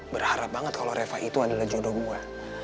berharap banget kalau reva itu adalah jodoh gue